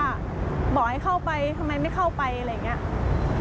บอกให้เข้าไปทำไมไม่เข้าไปอะไรอย่างนี้